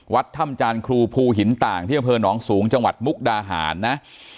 วัดถ้ำจานครูภูหินต่างที่อำเภอหนองสูงจังหวัดมุกดาหารนะ